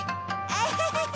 アハハハ！